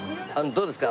そうですか！